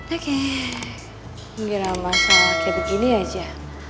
oke gila masalah kayak begini aja